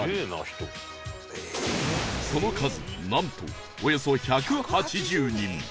その数なんとおよそ１８０人